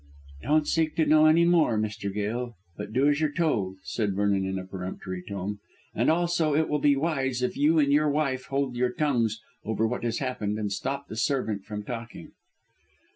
"Don't seek to know any more, Mr. Gail, but do as you are told," said Vernon in a peremptory tone, "and also it will be wise if you and your wife hold your tongues over what has happened and stop the servant from talking."